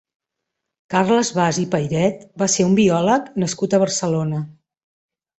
Carles Bas i Peired va ser un biòleg nascut a Barcelona.